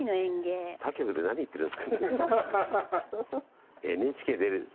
他局で何言ってるんですか？